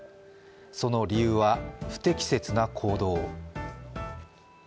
その理由は不適切な行動。